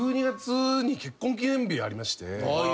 １２月に結婚記念日ありまして。